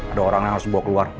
ada orang yang harus bawa keluar